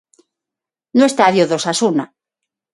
No estadio do Osasuna.